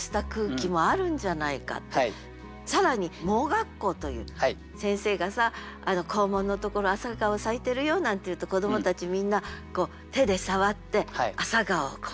更に「盲学校」ということで先生がさ「校門のところ朝顔咲いてるよ」なんて言うと子どもたちみんな手で触って朝顔をこう。